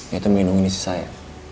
yaitu melindungi istri saya